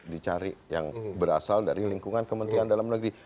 dicari yang berasal dari lingkungan kementerian dalam negeri